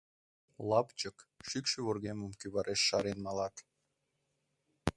Лапчык, шӱкшӧ вургемым кӱвареш шарен малат.